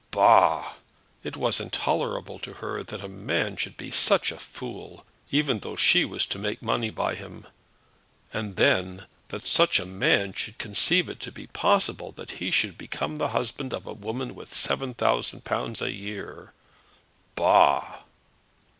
"Bah!" It was intolerable to her that a man should be such a fool, even though she was to make money by him. And then, that such a man should conceive it to be possible that he should become the husband of a woman with seven thousand pounds a year! Bah!